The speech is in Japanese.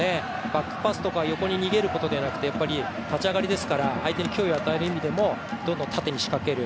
バックパスとか横に逃げるんじゃなくて立ち上がりですから相手に脅威を与える意味でもどんどん縦に仕掛ける。